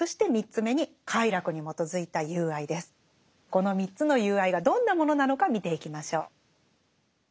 この３つの友愛がどんなものなのか見ていきましょう。